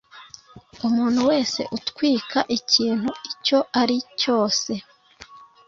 Umuntu wese utwika ikintu icyo ari cyose